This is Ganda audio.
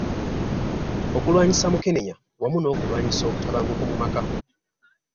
Okulwanyisa Mukenenya wamu n’okulwanyisa obutabanguko mu maka.